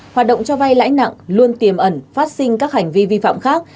hoạt động cho vay lãi nặng luôn tiềm ẩn phát sinh các hành vi vi phạm khác